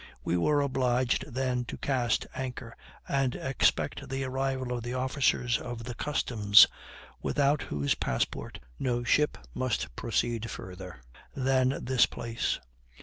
We were obliged then to cast anchor, and expect the arrival of the officers of the customs, without whose passport no ship must proceed farther than this place.